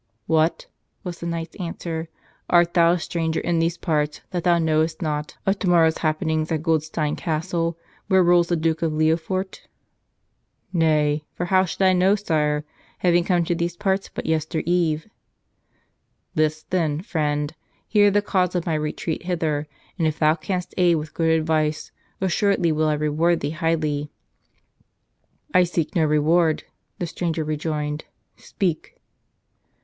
"What!" was the knight's answer. "Art thou a stranger in these parts that thou knowest not of to T U A 7 91 "Tel 7 I/s Another!" morrow's happenings at Goldstein Castle, where rules the Duke of Leoforte?" "Nay; for how should I know, sire, having come to these parts but yestereve." "List, then, friend. Hear the cause of my retreat hither, and if thou canst aid with good advice, assured¬ ly will I reward thee highly." "I seek no reward," the stranger rejoined. "Speak."